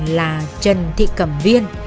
là trần thị cẩm viên